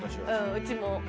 うちも。